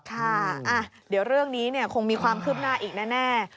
ค่ะเดี๋ยวเรื่องนี้คงมีความคืบหน้าอีกแน่